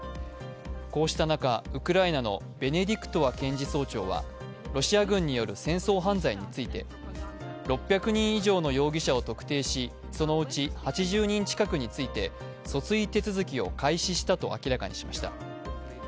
こうした中、ウクライナのベネディクトワ検事総長はロシア軍による戦争犯罪について、６００人以上の容疑者を特定しそのうち８０人近くについて訴追手続きを開始したと明らかにしました。